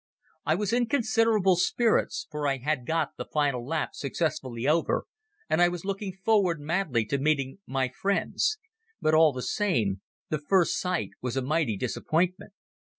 I was in considerable spirits, for I had got the final lap successfully over, and I was looking forward madly to meeting my friends; but, all the same, the first sight was a mighty disappointment.